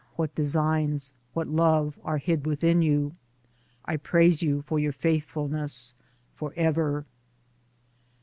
what designs, what love, are hid within you !)— I praise you for your faithfulness for ever.